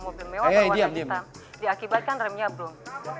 mobil mewah dianggap diakibatkan remnya belum